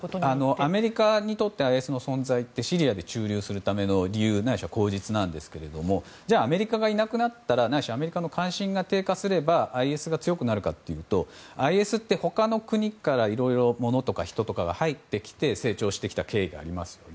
アメリカにとってＩＳはシリアに駐留するための理由ないし口実なんですがアメリカがいなければないしアメリカの関心が低下すればＩＳが強くなるかといえばＩＳってほかの国からいろいろものとか人が入ってきて成長してきた経緯がありますよね。